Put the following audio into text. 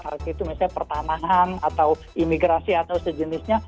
harus itu misalnya pertanahan atau imigrasi atau sejenisnya